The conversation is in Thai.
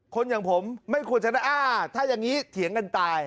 คนอย่างผมไม่ควรจะอ้าถ้าอย่างนี้เถียงกันตาย